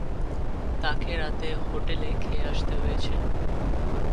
তাঁকে রাতে হোটেলে খেয়ে আসতে হয়েছে।